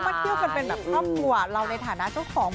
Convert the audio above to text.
เที่ยวกันเป็นแบบครอบครัวเราในฐานะเจ้าของ